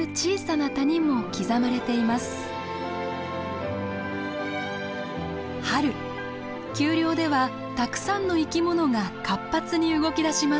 春丘陵ではたくさんの生き物が活発に動きだします。